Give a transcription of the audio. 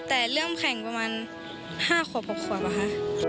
แต่เริ่มแข่งประมาณ๕ขวบ๖ขวบป่ะคะ